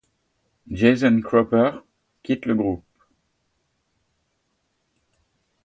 Jason Cropper quitte le groupe.